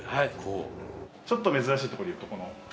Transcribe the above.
ちょっと珍しいとこでいうと。